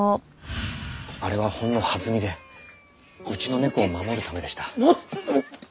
あれはほんのはずみでうちの猫を守るためでした。